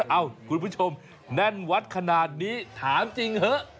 เอ้าคุณผู้ชมแน่นวัดขนาดนี้ถามจริงเถอะ